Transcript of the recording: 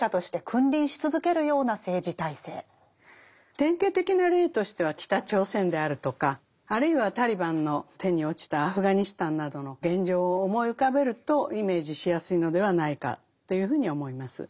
典型的な例としては北朝鮮であるとかあるいはタリバンの手に落ちたアフガニスタンなどの現状を思い浮かべるとイメージしやすいのではないかというふうに思います。